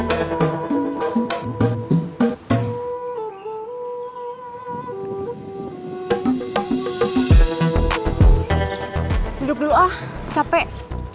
duk dulu ah capek